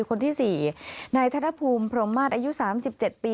คนที่๔นายธนภูมิพรมมาตรอายุ๓๗ปี